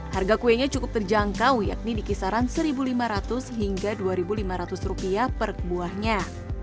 harga kuenya cukup terjangkau yakni di kisaran rp satu lima ratus hingga rp dua lima ratus per buahnya